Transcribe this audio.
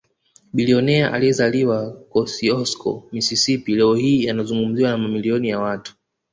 Bilionea aliyezaliwa Kosiosko Mississippi leo hii anazungumziwa na mamilioni ya watu